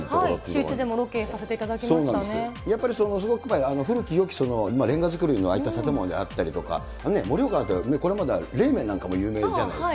シューイチでもロケ、させてやっぱり、古きよきレンガ造りのああいった建物であったりとか、盛岡なんて、これまでは冷麺なんかも有名じゃないですか。